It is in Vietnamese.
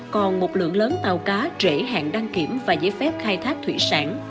còn một lượng lớn tàu cá trễ hạn đăng kiểm và giấy phép khai thác thủy sản